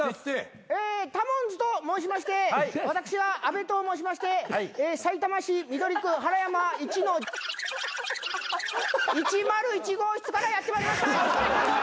タモンズと申しまして私は安部と申しましてさいたま市緑区原山１の１０１号室からやってまいりました。